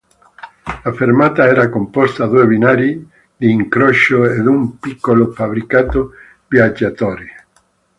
La fermata era composta due binari di incrocio ed un piccolo fabbricato viaggiatori.